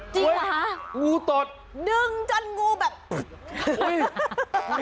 จริงหรอฮะงูตดดึงจนงูแบบปุ๊ต